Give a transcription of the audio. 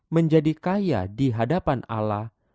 menjadi kaya dihadapan allah